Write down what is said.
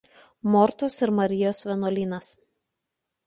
Mortos ir Marijos vienuolynas.